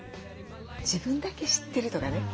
自分だけ知ってるとかね